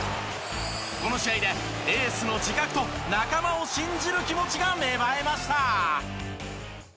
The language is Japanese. この試合でエースの自覚と仲間を信じる気持ちが芽生えました。